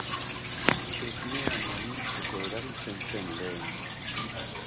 Esnea mamitzeko erabiltzen zen lehen.